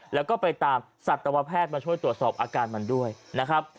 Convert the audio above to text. แล้วก็ไปตามสัตวแพทย์มาช่วยตรวจสอบอาการมันด้วยนะครับ